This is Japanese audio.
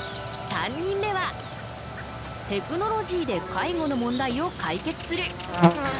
３人目はテクノロジーで介護の問題を解決する。